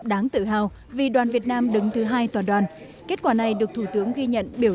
đáng tự hào vì đoàn việt nam đứng thứ hai toàn đoàn kết quả này được thủ tướng ghi nhận biểu